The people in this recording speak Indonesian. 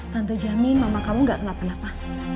tante jamin mama kamu gak kenapa napa